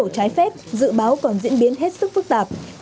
trái phép dự báo còn diễn biến hết sức phức tạp